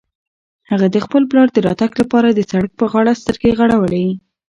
هغه د خپل پلار د راتګ لپاره د سړک په غاړه سترګې غړولې.